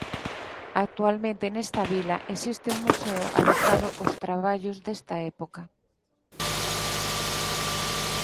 Actualmente nesta vila existe un museo adicado ós traballos desta época.